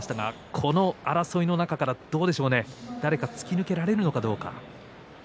この争いの中からどうでしょうか誰か突き抜けられるかどうか。